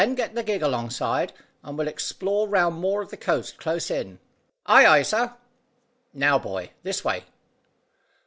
"Then get the gig alongside, and we'll explore round more of the coast close in." "Ay, ay, sir! Now, boy, this way."